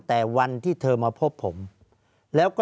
ภารกิจสรรค์ภารกิจสรรค์